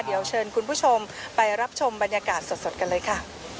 เดี๋ยวเชิญคุณผู้ชมไปรับชมบรรยากาศสดกันเลยค่ะ